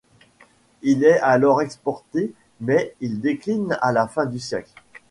Il est alors exporté, mais il décline à la fin du siècle.